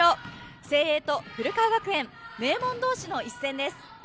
誠英と古川学園名門同士の一戦です。